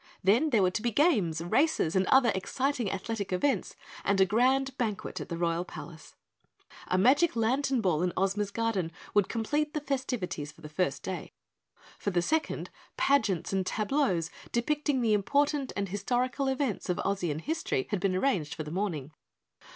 Then there were to be games, races, and other exciting athletic events and a grand banquet in the Royal Palace. A magic lantern ball in Ozma's garden would complete the festivities for the first day. For the second, pageants and tableaux depicting the important and historical events of Ozian history had been arranged for the morning.